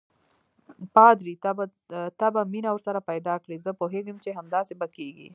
پادري: ته به مینه ورسره پیدا کړې، زه پوهېږم چې همداسې به کېږي.